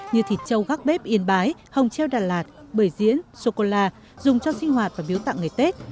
như thịt châu gác bếp yên bái hồng treo đà lạt bưởi diễn sô cô la dùng cho sinh hoạt và biếu tặng ngày tết